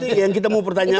yang kita mau pertanyakan